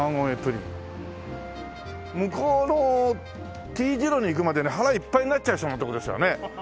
向こうのＴ字路に行くまでに腹いっぱいになっちゃいそうな所ですよね。